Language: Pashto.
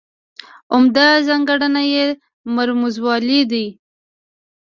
عمده ځانګړنه یې مرموزوالی دی.